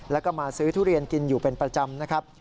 แล้วก็มาซื้อทุเรียนกินอยู่เป็นประจำนะครับ